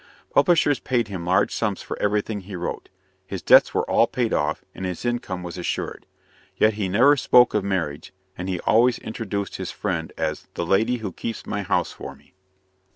Publishers paid him large sums for everything he wrote. His debts were all paid off, and his income was assured. Yet he never spoke of marriage, and he always introduced his friend as "the lady who keeps my house for me."